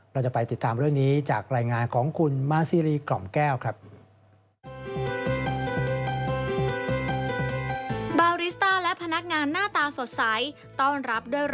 เราจะไปติดตามเรื่องนี้จากรายงานของคุณมาซีรีสกล่อมแก้วครับ